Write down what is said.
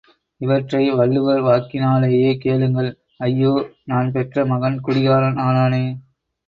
இவற்றை வள்ளுவர் வாக்கினாலேயே கேளுங்கள் ஐயோ, நான் பெற்ற மகன் குடிகாரன் ஆனானே.